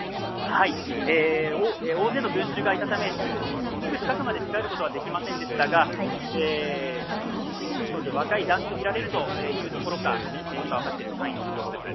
大勢の群衆がいたためすぐ近くまで近寄ることはできませんでしたが若い男性と見られるというところが今分かっている範囲の情報です。